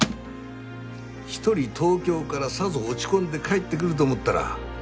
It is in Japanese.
一人東京からさぞ落ち込んで帰ってくると思ったら。